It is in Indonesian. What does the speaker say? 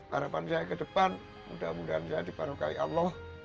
harapan saya ke depan mudah mudahan saya dipanukai allah